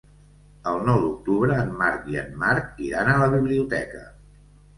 El nou d'octubre en Marc i en Marc iran a la biblioteca.